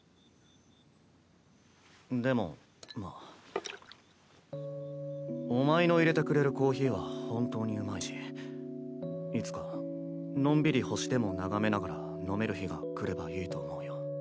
でもまあお前のいれてくれるコーヒーは本当にうまいしいつかのんびり星でも眺めながら飲める日が来ればいいと思うよ。